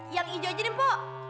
yang hijau aja deh mpok